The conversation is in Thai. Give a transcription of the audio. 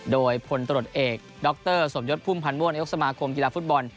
โดยพลตรวจเอกดรสมยศพุ่มพันธ์ม่วงนายกสมาคมกีฬาฟุตบอล